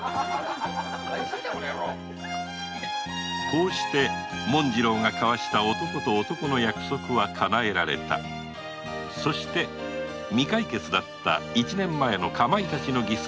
こうして紋次郎が交わした男と男の約束はかなえられたそして未解決だった一年前の「かまいたちの儀助」一味の事件も無事解決した